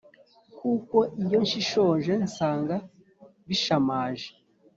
Kuko iyo nshishoje nsanga bishamaje